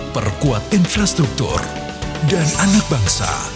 perkuat infrastruktur dan anak bangsa